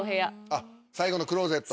あっ最後のクローゼット？